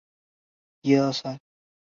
苔藓学科学研究的植物学分支。